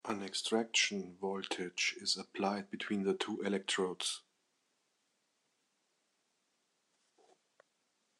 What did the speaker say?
An extraction voltage is applied between the two electrodes.